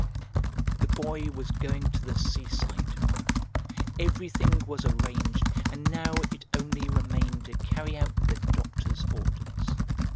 The Boy was going to the seaside to morrow. Everything was arranged, and now it only remained to carry out the doctor's orders.